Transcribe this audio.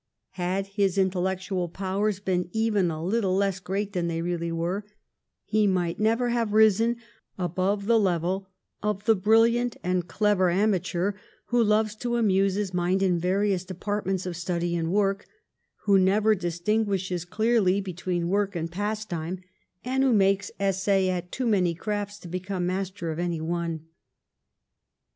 Had his intellectual powers been even a little less great than they really were, he might never have risen above the level of the brilliant and clever amateur, who loves to amuse his mind in various departments of study and work, who never distinguishes clearly between work and pastime, and who makes essay at too many crafts to become master of any one.